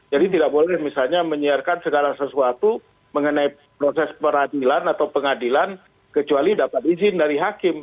jadi tidak boleh misalnya menyiarkan segala sesuatu mengenai proses peradilan atau pengadilan kecuali dapat izin dari hakim